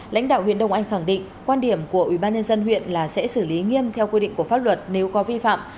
lãnh đạo huyện đông anh khẳng định quan điểm của ubnd huyện là sẽ xử lý nghiêm theo quy định của pháp luật nếu có vi phạm